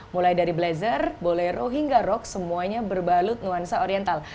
mulai dari blazer bolero hingga rock semuanya berbalut nuansa oriental